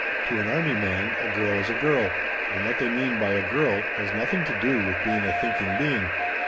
To an army man a girl is a girl, and what they mean by a girl has nothing to do with being a thinking being.